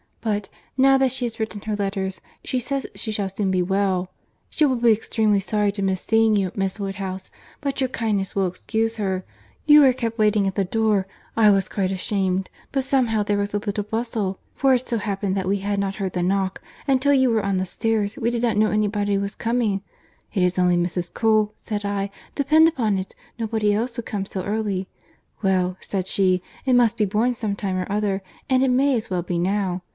But, now that she has written her letters, she says she shall soon be well. She will be extremely sorry to miss seeing you, Miss Woodhouse, but your kindness will excuse her. You were kept waiting at the door—I was quite ashamed—but somehow there was a little bustle—for it so happened that we had not heard the knock, and till you were on the stairs, we did not know any body was coming. 'It is only Mrs. Cole,' said I, 'depend upon it. Nobody else would come so early.' 'Well,' said she, 'it must be borne some time or other, and it may as well be now.